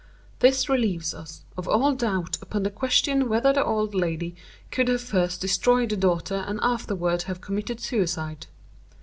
This relieves us of all doubt upon the question whether the old lady could have first destroyed the daughter and afterward have committed suicide.